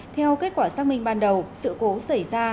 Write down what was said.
theo kết quả xác minh ban đầu sự cố xảy ra